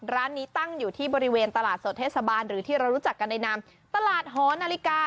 ร้านนี้ตั้งอยู่ที่บริเวณตลาดสดเทศบาลหรือที่เรารู้จักกันในนามตลาดหอนาฬิกา